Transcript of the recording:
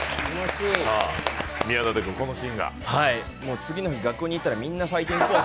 次の日、学校に行ったらみんなファイティングポーズ。